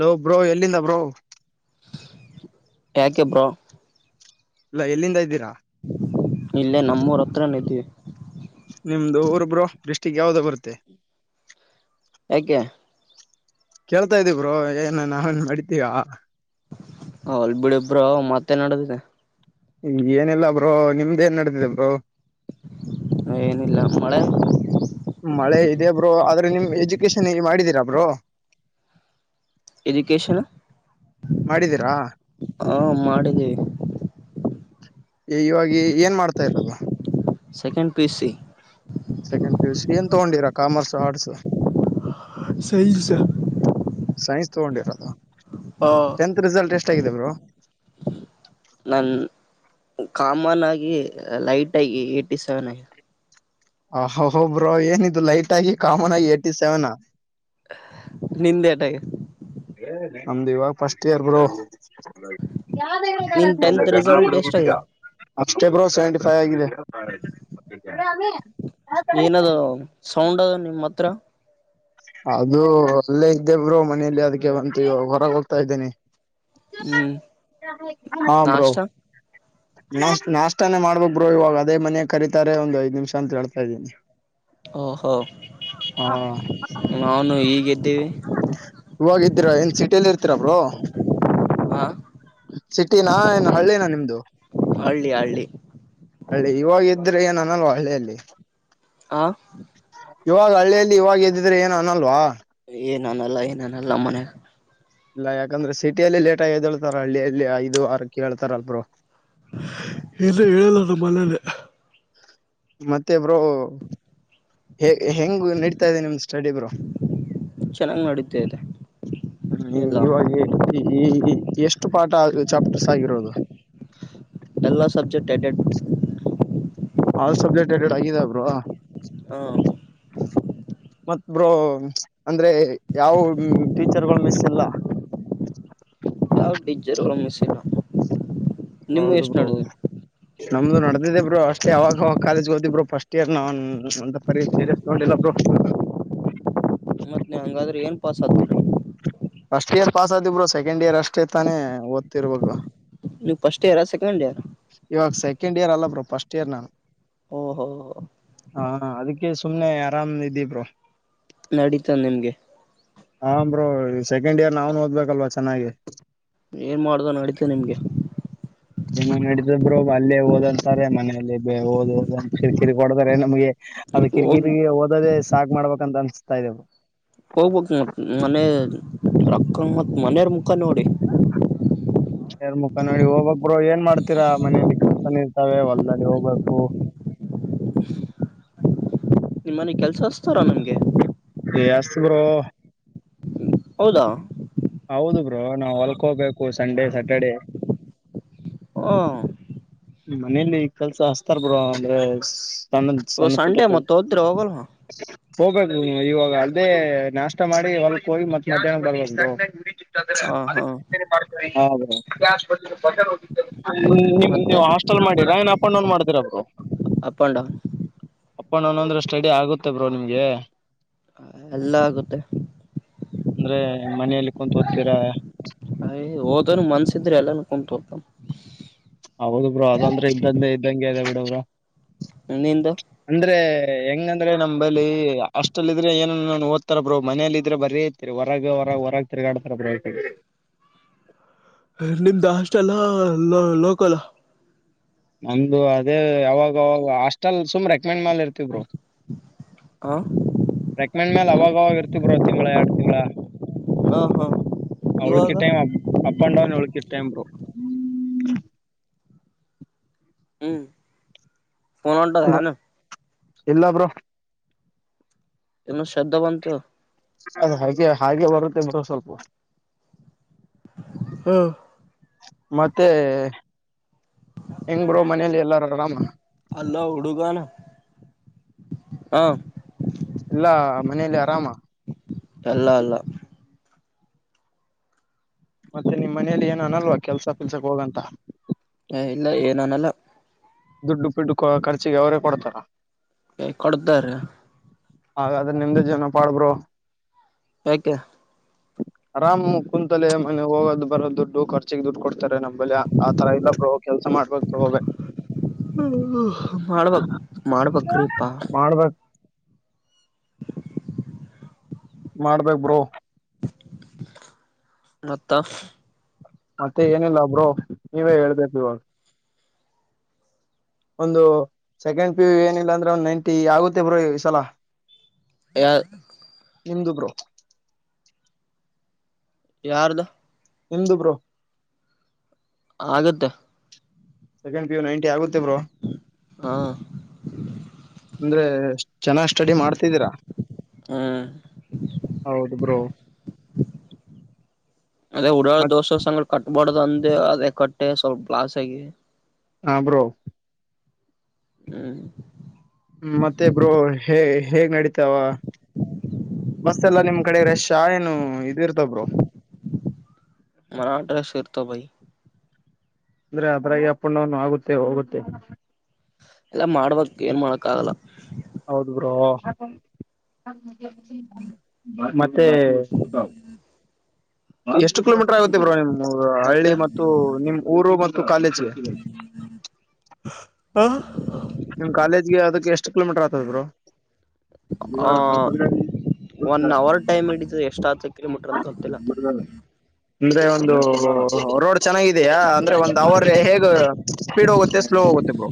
ಹ ಬ್ರೋ ಎಲ್ಲಿಂದ ಬ್ರೋ ಕಾಕೆ ಬ್ರೋ ಇಲ್ಲ ಎಲ್ಲಿಂದ ಇದ್ದೀರಾ ಇಲ್ಲೇ ನಮ್ಮೂರ ಹತ್ರ ನತಿೀವಿ ನಿಮ್ದು ಊೊಬ್ರು ಡಿಸ್ಟಿಕ್ ಯಾವ್ದೋ ಬರುತ್ತೆ ಆಾ ಕೇಳ್ತಾ ಇದೆ ಬ್ರೊ ಏನನಾ ನಡಿತೀಯ. ಹ ಬಿಡು ಬ್ರೊ ಮತ್ತೆನ್ಡದಿದೆ. ಹ ಏನಿಲ್ಲಾ ಬ್ರೋ ನಿಮ್ದ್ ಏನ್ ನಡೆದಿದೆ ಬ್ರೋ. ಏನಿಲ್ಲ ಮಳೆ? ಮಳೆ ಇದೆ ಬ್ರೋ, ಆದ್ರೆ ನಿಮ್ ಎಜುಕೇಶನ್ ಏನ್ ಮಾಡಿದೀರಾ ಬ್ರೋ. ಎಜುಕೇಶನ್ ಮಾಡಿದೀರಾ ಹಾ ಮಾಡಿದ್ದೀವಿ. ಇವಾಗಿ ಏನ್ ಮಾಡ್ತಾ ಇರೋದು. Second P U C. Second P U C ಏನ್ ತಗೊಂಡಿರ ಕಾಮರ್ಸೋ ಆರ್ಟ್ಸೋ? ಸೖನ್ಸು. ಸೈನ್ಸ್ ತಗೊಂಡಿರದಾ? ಹಾ ಟೆಂತ್ ರಿಸಲ್ ಎಷ್ಟ್ ಆಗಿದೆ ಬ್ರೊ. ನಾನ್ ಕಾಮನ್ ಆಗಿ ಲೈಟ್ ಆಗಿ ಏಯ್ಟಿ ಸೆವೆನ್ ಆಗಿದ್. ಅ ಹ ಬ್ರೋ ಏನಿದು ಲೈಟ್ ಆಗಿ ಕಾಮನ್ ಆಗಿ ಎಯ್ಟಿ ಸೆವೆನ್ನ. ನಿಂದೇಟಗೖತೆ? ನಮ್ದು ಇವಾಗ ಫಸ್ಟ್ ಇಯರ್ ಬ್ರೊ. ಯಾವ ನಿನ್ ಟೆಂತ್ ರಿಸಲ್ಟ್ ಎಷ್ಟಾಗಿದೆ [unintelligible] ಅಷ್ಟೇ ಬ್ರೋ ಸೆವೆಂಟಿ ಫೈ ಆಗಿದೆ. ಏನದು ಸೌಂಡ್ ನಿಮ್ಮ್ ಹತ್ರ. ಅದು ಅಲ್ಲೇ ಇದ್ದೇಬ್ರು ಮನೆಯಲ್ಲಿ ಅದಕ್ಕೆ ಒಂತ ಹೊರಗೆ ಹೋಗ್ತಾ ಇದ್ದೇನೆ. ಹ್ಮ್ ಹಾ ಬ್ರೋ. ನಾಷ್ಟ ನಾಷ್ಟ್ ನಾಷ್ಟಾನೇ ಮಾಡ್ಬೇಕ್ ಬ್ರೊ ಇವಾಗ ಅದೇ ಮನೆಗ್ ಕರಿತಾರೆ ಒಂದ್ ಐದ್ ನಿಮಿಷ ಅಂತ ಹೇಳ್ತಾ ಇದ್ದೀನಿ. ಓಹೋ ಹಾ ನಾನೂ ಈಗೆದ್ದೀವಿ. ಇವಾಗ ಎದ್ರಾ ಏನ್ ಸಿಟಿಲ್ಲಿ ಇರ್ತೀರ ಬ್ರೊ. ಹಾ ಸಿಟಿನಾ ಏನು ಹಳ್ಳಿನಾ ನಿಮ್ದು? ಹಳ್ಳಿ ಹಳ್ಳಿ. ಹಳ್ಳಿ ಇವಾಗ ಎದ್ರೆ ಏನ ಅನಲ್ವಾ ಹಳ್ಳಿಯಲ್ಲಿ. ಹ ಇವಾಗ ಹಳ್ಳಿಯಲ್ಲಿ ಇವಾಗ ಎದ್ದಿದ್ರೆ ಏನು ಅನಲ್ವಾ. ಏನನಲ್ಲ ಏನನಲ್ಲ ಮನೆ ಇಲ್ಲ ಯಾಕಂದ್ರೆ ಸಿಟಿಯಲ್ಲಿ ಲೇಟಾ ಎದೇಳ್ತಾರ ಹಳ್ಳಿಯಲ್ಲಿ ಐದು ಆರಕ್ಕೇ ಏಳ್ತಾರ ಬ್ರೊ. ಏನು ಹೇಳಲ್ಲ ನಮ್ಮನೆಲಿ. ಮತ್ತೆ ಬ್ರೊ. ಹೇಗ್ ಹೆಂಗ್ ನಡಿತಾ ಇದೆ ನಿಮ್ ಸ್ಟಡಿ ಬ್ರೊ. ಚೆನ್ನಾಗಿ ನಡೀತಾ ಇದೆ ನಿ ಎಲ್ಲ ಇವಾಗೆ. ಈ ಈ ಎಷ್ಟು ಪಾಠ ಆಗಿ ಚಾಪ್ಟರ್ಸ್ ಆಗಿರೋದು? ಎಲ್ಲ ಸಬ್ಜೆಕ್ಟ್ ಎಡೆಡ್. ಆಲ್ ಸಬ್ಜೆಕ್ಟ್ ಎರಡೆರಡ್ ಆಗಿದೆ ಬ್ರೊ. ಹಾ ಹ ಮತ್ ಬ್ರೊ ಅಂದ್ರೆ ಯಾವ ಟೀಚರ್ಗಳು ಮಿಸ್ ಇಲ್ಲ. ಯಾವ ಟೀಚರು ಮಿಸ್ ಇಲ್ಲ. ನಿಮ್ಗೆ ಹೌದು ಎಷ್ಟು ಬ್ರೋ. ನಡೆದಿದೆ ನಮ್ದು ನದ್ದಿದ್ದೆ ಬ್ರರು ಅಷ್ಟೇ ಯಾವಾಗಾಗ ಕಾಲೇಜ್ದಿದ್ರರು ಫಸ್ಟ್ ಇಯರ್ ನಾವ ಸರಿ ಸರಿಗೊಂಡಿಲ್ಲ ಮತ್ತು ಹಂಗಾದ್ರೆ ಏನ್ ಪಾಸ್ ಆ್ರ ಫಸ್ಟ್ ಇಯರ್ ಪಾಸ್ ಆದಬ್ರು ಸೆಕೆಂಡ್ ಇಯರ್ ಅಷ್ಟ ಇರ್ತಾನ ಓದ್ತಿ ಇರ್ಬೇಕು ನೀವುಫಸ್ಟ್ ಇಯರಾ ಸೆಂಡ್ ಇಯರ್ ಇವಾಗ ಸೆಕೆಂಡ್ ಇಯರ್ ಅಲ್ಲ ಬರು ಫಸ್ಟ್ ಇಯರ್ ನಾನು ಓಹೋ ಹಾ ಅದಕ್ಕೆ ಸುಮ್ನೆ ಆರಾಮ್ ಇದ್ದಿಬರು ನಡೀತಾ ನಿಮ್ಗೆ ಹಂಬರು ಸೆಕೆಂಡ್ ಇಯರ್ ನಾವ್ನು ಓದ್ಬೇಕಲ್ವಾ ಚೆನ್ನಾಗಿ ಏನು ಮಾಡದು ಅ ನ ನಡೀತು ನಿಮಗೆ ಇನ್ನು ನಡಿದಬ್ರು ಅಲ್ಲೇ ಓದ್ಂತಾರೆ ಮನೆಯಲ್ಲಿ ಓದ್ ಓದ ಕಿರಿಕಿರಿ ಕೊಡತಾರೆ ನಮ್ಗೆ ಅದ ಹೋಗಿ ಕಿರಿಕಿರಿರಿಗೆ ಓದದೆೇ ಸಾಕಕ್ ಮಾಡ್ಬೇಕ ಅಂತ ಅನ್ಸಸ್ತಾ ಇದದೆವ ಹೋಗ್ಬ ಮತ್ ಮನಕ್ಕ ಮತ್ ಮನೆಯರ ಮುಖ ನೋಡಿ ಸೇರ್ ಮುಖ ನೋಡಿ ಹೋಗ್ಬಕ್ ಬ್ರೋ ಏನ್ ಮಾಡ್ತೀರಾ ಮನೇಲಿ ಕೆಲ್ಸನ ಇರ್ತಾವೆ ಹೊಲ್ಲ ಹೋಗ್ಬೇಕು ನಿಮ್ಮನೆಗ್ ಕೆಲ್ಸ ಅಸ್ತಾರಾ ನಿಮ್ಗೆ ಎಏ ಅಷ್ಟತ ಬ್ರೋ ಹೌದಾ ಹೌದು ಬ್ರೋ ನಾ ಹೊಲ್ಕೋಬೇಕು ಸಂಡೇ ಸಟರ್ಡೆ ಹ ಮನೇಲಿ ಕೆಲ್ಸ ಹಸ್ತಾರ್ ಬ್ರ ಅಂದ್ರೆ ಸಣ್ಣ ಇವಾಗ ಸಣ್ಣ ಪುಟ ಸಂಡೇ ಕೆಲ್ಸ ಮತ್ತು ಹೋದ್ರೆ ಹೋಗಲ್ವಾ ಹ ಹೋಗ್ಬೇಕು ಇವಾಗ ಅಲ್ಲದೆೇ ನಾಷ್ಟ ಮಾಡಿ ಹೊಲ್ಕ್ ಹೋಗಿ ಮತ್ ಮಧ್ಯಾಹ್ನ ಬರ್ಬೇಕ ಹಾಂ ಹಾಂ ಬಟನ್ ಮತ್ತೆ ನೀವು ಹಾಸ್ಟೆಲ್ ಮಾಡಿರಾ ಏನ್ ಅಪಂಡೌನ್ ಮಾಡಿದಿರಬ್ರು ಅಪ್ ಆ್ಯಂಡ್ ಡೌನ್ ಅಪ್ಪಣ್ಣನ ಅಂದ್ರೆ ಸ್ಟಡಿ ಆಗುತ್ತೆ ಬ್ರೋ ನಿಮ್ಗೆ ಎಲ್ಲ ಆಗುತ್ತೆ ಅಂದ್ರೆ ಮನೆಯಲ್ಲಿ ಕುತ್ ಓದ್ತೀರಾ ಅಯ್ ಹೋದನು ಮನ್ಸಿದ್ರೆ ಎಲ್ಲಾನ ಕುಂತು ಹೋಗ್ತ ಹೌದು ಬ್ರೋ ಅದೊಂದ್ರ ಇದ್ದಂದೇ ಇದ್ದಂಗೆ ಅದೆ ಬಿಡ ಬ್ರ ನಿಂದು ಅಂದ್ರೆ ಹೆಂಗಂದ್ರೆ ನಮ ಬಳಿ ಅಷ್ಟಲ್ ಇದ್ರೆ ಏನ ಓದ್ತಾರ ಬ್ರೋ ಮನೇಲ್ಲ ಇದ್ರೆ ಬರೀ ತಿ ಹೊರಗ ಹೊರಗೆ ಹೊರಗೆ ತಿರ್ಗಾಡತಾರ ನಿಮ್ದ ಅಷ್ಟ ಅಲ್ಲಾ ಲೋಕಲ್ ನಮ್ದ ಅದೇ ಯಾವಾಗಾಗ ಹಾಸ್ಟೆಲ್ ಸುಮ್ ರೆಕಮೆಂಡ್ ಮೇಲ್ ಇರ್ತವರು ಹಂ ರೆಕಮೆಂಡ್ ಮೇಲೆ ಅವಾಗ್ವಾಗ ಇರ್ತ ಬ್ರೋ ತಿಂಗಳ ಎರಡು ತಿಂಗಳ ಹಾ ಹಾ ಅವಳ ಇವಾಗ ಕ time up up and down ಅವಳ ಇ ಟೈಮ ಬ ಹ್ಮ್ ಪೋನಟ ನ ಎಲ್ಲಬ್ರು ಇಏನು ಶ್ರದ್ಧ ಬಂತಂತ ಅ ಹಾಗೆ ಹಾಗೆ ಬರುತ್ತೆ ಸ್ವಲ್ಪ ಹ್ಮ್ ಮತ್ತೆ ಹೆಂಗ್ ಬರು ಮನೇಲಿ ಎಲ್ಲಾರ ಆರಾಮ ಅಲ್ಲ ಹಡುಗಣ ಹ ಎಲ್ಲಾ ಮನೇೆಯಲ್ಲಿ ಆರಾಮ ಅಲ್ಲ ಅಲ್ಲ ಮತ್ತೆ ನಿಮ್ ಮನೇಲಿ ಏನ್ ಅನಲ್ವಾ ಕೆಲ್ಸ ಪಲ್ಸಕ್ ಹೋಗಂತ ಹ ಇಲ್ಲ ಏನಾನಲ್ಲ ದುಡ್ಡು ದುಡ್ಡು ಖರ್ಚಿಗೆ ಅವರೇ ಕೊಡ್ತಾರ ಕೊಡ್ತಾರ ಹಾಗಾದ್ರೆ ನಿಮ್ದೇ ಜವನ ಪಾಡ್ಬ್ರರು ಯೆ ಆರಾಮ್ ಕುಂತಲೆ ಮನೆ ಹೋಗೋದು್ ಬರೋ ದುಡ್ಡು ಖರ್ಚಿಗೆ ದುಡ್ಡು ಕೊಡ್ತಾರೆ ನಮ್ಮಂಬಲ್ಯ ಆ ತರ ಇಲ್ಲ ಪ್ರ ಕೆಲ್ಸ ಮಾಡ್ಬೇಕಕ್ ಹೋಗ ಮಾಡ್ಬ ಮಾಡ್ಬಕ್ ಪ್ಪಾ ಮಾಡ್ಬೇಕ್ ಮಾಡ್ಬೇಕೇಕ್ ಬ್ರೋ ಮತ್ತ ಮತ್ತೆ ಏನಿಲ್ಲ ಬ್ರೋ ನೀವೇ ಹೇಳ್ಬೇಕು ಇವಾಗ ಒಂದು ಸೆಕೆಂಡ್ ಪಿ ಏನಿಲ್ಲ ಅಂದ್ರೆ ಒಂದ್ ನೈಂಟಿ ಆಗುತ್ತೆ ಬ್ರೋ ಈ ಸಲ ಯಾರ ನಿಮು ಬ್ರೋ ಯಾರದ ನಿಂದು ಬೋ ಆಗತ್ತೆ ಸೆಂಡ ಪ್ಯು ನೈನ್ಟಿ ಆಗುತ್ತೆರು ಹಾ ಅಂದ್ರೆ ಚೆನ್ನಾಗ್ ಸ್ಟಡಿ ಮಾಡ್ತಿದ್ದೀರಾ ಹ್ಮ್ ಹೌದು ಬ್ರೋ ಅದೇ ಉಡಾಡ್ ಮತ್ ದೋಸೆ ಸಂಂಗಡ ಕಟ್ಬಾರಡ್ದ ಅಂದ ಅದೇ ಕಟ್ಟೆ ಸ್ವಲ್ಪ ಲ್ಾಸ್ ಆಗಿ ಹಾ ಬ್ರೋ ಹ್ಮ್ ಮತ್ತೆ ಬ್ರೋ ಹೇ ಹೇಗ್ ನಡೀತಾವ ಬಸ್ಸ ಎಲ್ಲಾ ನಿಮ್ ಕಡೆ ರೆಶ್ ಏನು ಇದ ಇರ್ತಬ್ರು ಮರ ಡ್ರೆಸ್ ಶ ಇರ್ತ ಭಿ ಅಂದ್ರೆ ಅದ್ರಾಗಿ ಅಪ್ ಅಂಡ್ ಡೌನ್ ಆಗುತ್ತೆ ಹೋಗುತ್ತೆ ಎಲ್ಲ ಮಾಡ್ಬಕ್ ಏನ್ ಮಾಡಕ್ ಆಗಲ್ಲ ಹೌದ ಬ್ರೋ ಮತ್ತೆ ಎಷ್ಟು ಕಿಲೋಮೀಟರ್ ಆಗುತ್ತ ಬ್ರೋ ನಿಮ್ ಹಳ್ಳಿ ಮತ್ತೆ ಮತ್ತು ನಿಮ್ ಊರು ಮತ್ತು ಕಾಲೇಜ್ಗೆ ಹ ನಿಮ್ ಕಾಲೇಜ್ಗೆ ಅದ ಎಷ್ಟ ಕಿಲೋಮೀಟರ್ ಆಗ್ತದ್ರು ಆ ಒನ್ ಅವರ್ ಟೈಮ್ ಇಿಡಿದು ಎಷ್ಟು ಹತ್ತು ಕಿಲೋಮೀಟರ್ ಅಂತ ಗೊತ್ತಿಲ್ಲ ಬ್ರೋ ಅಂದ್ರೆ ಒಂದು ರೋಡ್ ಚೆನ್ನಾಗಿದೆಯಾ ಅಂದ್ರೆ ಒಂದು ಅವರ ಹೇಗ ಸ್ಪೀಡ್ ಹೋಗುತ್ತೆ ಸ್ಲೋ ಹೋಗುತ್ತೆ ಬೋ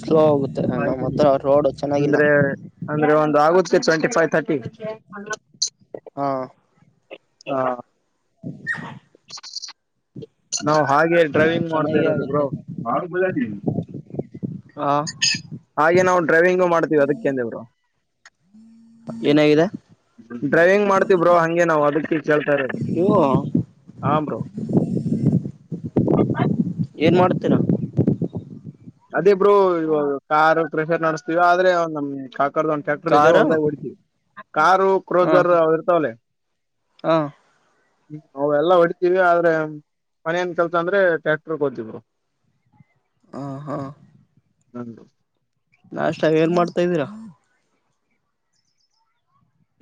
ಸ್ಲೋ ಆಗುತ್ತೆ ನಮ್ಮ ಹತ್ರ ರೋಡ್ ಚೆನ್ನಾಗಿಲ್ಲ ಅಂದ್ರೆ ಅಂದ್ರೆ ಒಂದು್ ಆಗತ್ ಟ್ವೆಂಟಿ ಫೈವ್ ತರ್ಟಿ ಹಾ ಹಾ ಹ ನಾ ಹಾಗೆ ಡ್ರೈವಿಂಗ್ ಮಾಡ್ತಾ ಚೆನ್ನಾಗಿ ಇರೋದು ಬ್ರೋ ಆಗುತ್ತೆ ಹಾ ಹಾಗೆ ನಾವು ಡ್ರೈವಿಂಗು ಮಾಡ್ತೀವಿ ಅದಕ್ಕೇಂದೇವರು ಏನಾಗಿದೆ ಡ್ರೈವಿಂಗ್ ಮಾಡ್ತವ್ರೋ ಹಂಗೆ ನಾವವು ಅದಕ್ಕೆ ಕೇಳ್ತಾ ಇರೋದು ಇವು ಹ ಬ್ರೋ ಏನ್ ಮಾಡತೀರ ಅದೇ ಬ್ರೋ ಇವಾಗ ಕಾರ್ ಪ್ರೆಷರ್ ನಡ್ಸ್ತೀವಿ ಆದ್ರೆ ನಮ್ ಕಾಕರ್ದುಂಟ ಟ್ರ್ಯಾಕ್ಟರ್ ಇದೆ ಕಾರು ಹೊಲ್ದಾಗಿ ಹೊಡ್ತಿವಿ ಕಾರು ಹಾ ಕ್ರೋಸರ್ ಅವ್ರ ಇರ್ತಾವಲ್ಲ ಹಾ ನಾವು ಎಲ್ಲ ಹೊಡತಿವಿ ಆದ್ರೆ ಮನೇನ್ ಕೆಲ್ಸ ಅಂದ್ರೆ ಟ್ಯಾಕ್ಟರ್ ದ್ತ್ರು ಹ ಹಾ ಹ ನಾಷ್ಟ ಏನ್ ಮಾಡ್ತಾ ಇದ್ದೀರಾ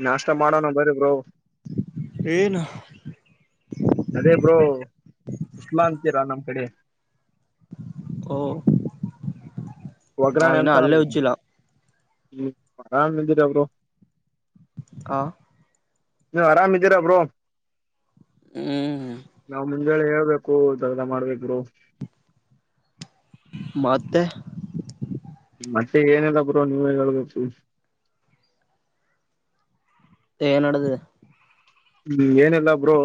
ನಾಷ್ಟ ಮಾಡೋಣ ಬರೀ ಬ್ರೋ ಏನು ಅದೇ ಬ್ರೋ ಉಸ್ಲಾ ಅಂತೀರಾ ನಮ್ ಕಡೆ ಓ ನಾನು ಒಗ್ಗರಣೆ ಇನ್ನ ಅಂತಾರಲ್ ಹಲ್ಲೆ ಉಜ್ಜಿಲ್ಲ ಹ್ಮ ಆರಾಮಿದಿರ ಬ್ರೋ ಹಾ ನೀವು ಆರಾಮ್ ಇದೀರಾ ಬ್ರೋ ಹ್ಮ್ ನಾವ್ ಮುಂಜಳೆ ಹೇಳ್ಬೇಕು ಇಂಥವೆಲ್ಲ ಮಾಡ್ಬೇಕೂ ಬ್ರೋ ಮತ್ತೆ ಮತ್ತೆ ಏನದ ಬ್ರೋ ನೀವೇ ಹೇಳ್ಬೇಕು ಏನದೆ ಹ್ಮ್ ಏನಿಲ್ಲಾ ಬ್ರೋ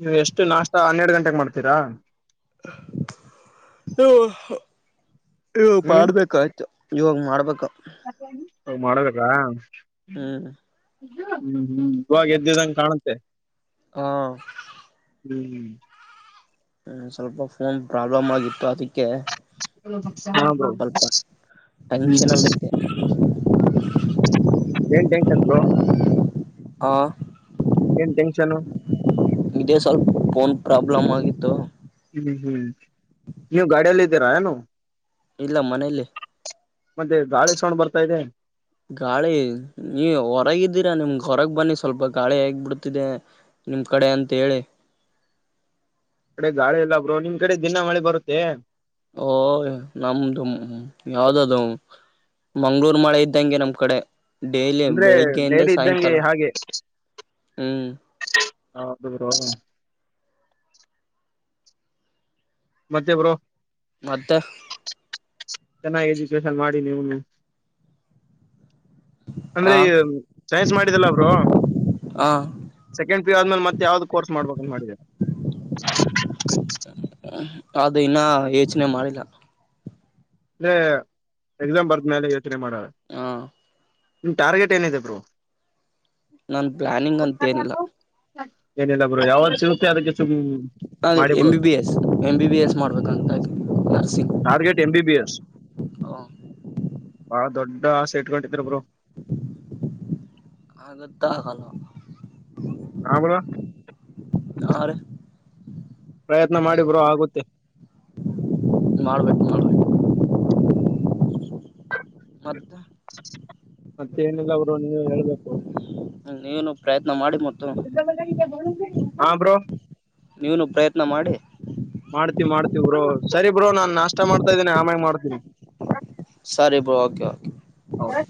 ನೀವು ಎಷ್ಟು ನಾಷ್ಟ ಹನ್ನೆರಡು ಗಂಟೆೆಗೆ ಮಾಡ್ತೀರಾ ಬ್ರೋ ನೀವು ಹ್ಮ್ ಮಾಡ್ಬೇಕಾ ಅಂತ ಇವಾಗ ಮಾಡ್ಬೇಕು ಮಾಡಬೇಕ ಹ್ಮ್ ಹ್ಮ್ ಹ್ಮ್ ಇವಾಗ ಎದ್ದಿದ್ದಂಗ ಕಾಣುತ್ತೆ ಹಾ ಹ್ಮ್ ಹ್ಮ ಸ್ವಲ್ಪ ಫೋನ್ ಪ್ರಾಬ್ಲಮ್ ಆಗಿತ್ತು ಅದಕ್ಕೆ ಹಾ ಬ್ರೋ ಹ್ಮ್ ಹ್ಮ [inaudible] ಏನ್ ಟೆನ್ಷನ್ ಬ್ರೋ ಹ ಏನ್ ಟೆನ್ಷನ್ ಇದೇ ಸ್ವಲ್ಪ ಫೋನ್ ಪ್ರಾಬ್ಲಮ್ ಆಗಿತ್ತು ಹ್ಮ್ ಹ್ಮ ಇನ್ನು ಗಾಡಿಯಲ್ಲಿ ಇದೀರೇನು ಇಲ್ಲ ಮನೇಲಿ ಮತ್ತೆ ಗಾಳಿ ಸೊಂಡ್ ಬರ್ತಾ ಇದೆ ಗಾಳಿ ನೀ ಹೊರಗಿದ್ದೀರಾ ನಿಮಗೆ ಹೊರಗ್ ಬನ್ನಿ ಸ್ವಲ್ಪ ಗಾಳಿ ಹೇಗ್ ಬಿಿಡ್ತಿದೆ ನಿಮ್ ಕಡೆ ಅಂತ ಹೇಳಿ ಈ ಕಡೆ ಗಾಳಿ ಎಲ್ಲಾ ಬ್ರೋ ನಿಮ್ ಕಡೆ ದಿನ ಮಳೆ ಬರುತ್ತೆ ಓ ನಮ್ದು ಯಾವ್ದದು ಮಂಗ್ಳೂರು ಮಳೆ ಇದ್ದಂಗೆ ನಮ್ ಕಡೆ ಡೇಲಿ ಅಂದ್ರೆ ಬೆಳಿಗ್ಗೆಯಿಂದ ಡೈಲಿ ಇದ್ದಂಗೆ ಸಾಯಂಕಾಲ ಹ್ಮ್ ಹಾದು ಮತ್ತೆ ಬರುೋ ಮದ ಚೆನ್ನಾಗಿ ಎಜುಕೇಶನ್ ಮಾಡಿ ನೀವು ಅಂದ್ರೆ ಆ ಈ ಸೈನ್ಸ್ ಮಾಡಿದಲ್ಲ ಅವರು ಹ ಸೆಂಡ್ ಪಿಯ ಆದ್ಮೇಲೆ ಮೆ ಯಾವ್ದ ಕೋರ್ ಮಾಡಬೇಕಂತ ಮಾಡೀರ ಅದು ಇನ್ನ ಯೋಚನೆ ಮಾಡಿಲ್ಲ ಅ ಎಕ್ಸಾಮ್ ಬರ್ದ ಮೇಲೆ ಯೋಚನೆ ಮಾಡ ಹ ನಿಮ ಟಾರ್ಗೆಟ್ ಏನಿದೆ ಬರು ನನ್ ಪ್ಲಾನಿಂಗ್ ಅಂತ ಏನಿಲ್ಲ ಹ ಏನಿಲ್ಲ ಬರು ಯಾವ್ದ ಚಸೆ ಅದಕ್ಕೆ ಸು ಅದೇ M B B S M B B S ಮಾಡ್ಬೇಕಂತ nursing target M B S ಹಾ ಬಾ ದೊಡ್ಡ ಸೆಟಡಿದ್ರಬ್ರು ಹಗತ್ತಾಲ ಹಮಳ ಆ ಪ್ರಯತ್ನ ಮಾಡಿ ಬ್ರೋ ಆಗುತ್ತೆ ಮಾಡ್ಬೇಕು ಮಾಡ್ಬೇಕು ಅದ ಮತ್ತೆ ಏನೆಲ್ಲ ಅವರು ನೀವು ಹೇಳ್ಬೇಕು ಹ ನೀವನು ಪ್ರಯತ್ನ ಮಾಡಿ ಮತ್ತ ಹಾ ಬ್ರೋ ನೀನು ಪ್ರಯತ್ನ ಮಾಡಿ ಮಾಡ್ತೀವಿ ಮಾಡ್ತೀವ ಬ್ರೋ ಸರಿ ಬೋ ನಾನ್ ನಾಷ್ಟ ಮಾಡ್ತಾ ಇದ್ದೇನೆ ಆಮ್ಯಾಗ ಮಾಡ್ತೀನಿ ಸರಿ ಬ ಓಕೆ ಓಕೆ ಹ